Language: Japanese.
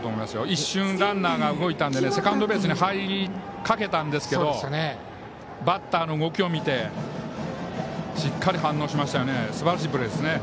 一瞬、ランナーが動いたのでセカンドベースに入りかけたんですけどバッターの動きを見てしっかり反応しましたよね。